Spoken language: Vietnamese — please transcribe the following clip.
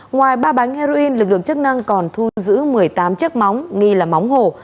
ngoài ba bánh heroin lực lượng chức năng còn thu giữ một mươi tám chiếc móng nghi là móng hổ